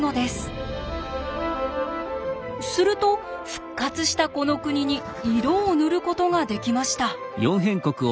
すると復活したこの国に色を塗ることができました。